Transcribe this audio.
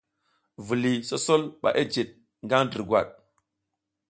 Viliy sosol ɓa jid ngaƞ durgwad.